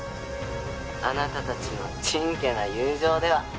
「あなたたちのチンケな友情では」